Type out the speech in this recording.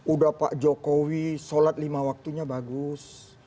udah pak jokowi sholat lima waktunya bagus